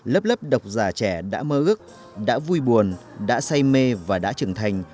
lớp lớp độc giả trẻ đã mơ ước đã vui buồn đã say mê và đã trưởng thành